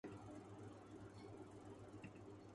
کپاس پر درامدی ٹیکس ختم کرنے کا مطالبہ